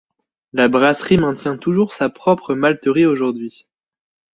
La brasserie maintient toujours sa propre malterie aujourd'hui.